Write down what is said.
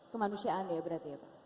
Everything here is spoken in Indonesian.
kemanusiaan ya berarti ya pak